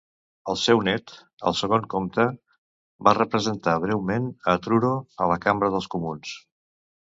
El seu nét, el segon comte, va representar breument a Truro a la Cambra dels Comuns.